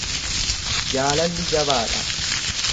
Jaalalli jabaa dha.